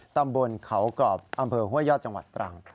ตำบลเขากรอบอำเภอห้วยยอดจังหวัดตรัง